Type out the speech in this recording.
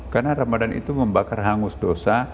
karena ramadhan itu membakar hangus dosa